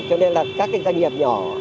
cho nên là các doanh nghiệp nhỏ